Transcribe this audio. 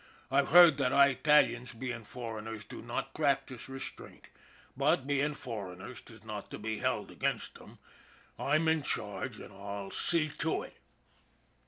I've heard that SHANLEY'S LUCK 115 Eyetalians, being foreigners, do not practice restraint but, being foreigners, 'tis not to be held against them. I'm in charge, an' I'll see to it."